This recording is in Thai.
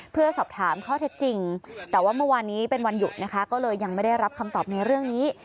เพื่อสอบถามข้อเท็จจริงแต่ว่าเมื่อวานนี้เป็นวันหยุดนะคะก็เลยยังไม่ได้รับคำตอบในเรื่องนี้